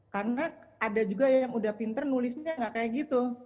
karena ada juga yang udah pinter nulisnya nggak kayak gitu